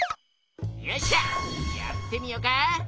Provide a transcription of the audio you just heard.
よっしゃやってみよか！